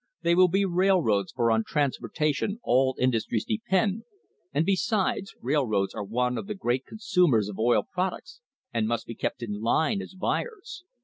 They will be railroads, for on transportation all industries depend, and, besides, railroads are one of the great consumers of oil products and must be kept in line as buyers.